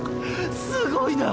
すごいな！